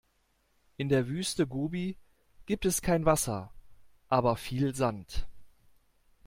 In der Wüste Gobi gibt es kein Wasser, aber viel Sand.